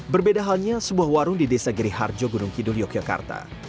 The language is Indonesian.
berbeda halnya sebuah warung di desa giriharjo gunung kidul yogyakarta